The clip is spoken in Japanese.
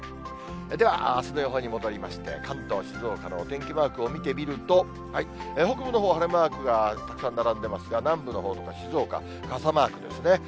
では、あすの予報に戻りまして、関東、静岡のお天気マークを見てみると、北部のほう、晴れマークがたくさん並んでますが、南部のほうとか静岡、傘マークですね。